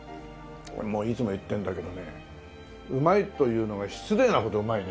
もういつも言ってるんだけどねうまいと言うのが失礼なほどうまいね。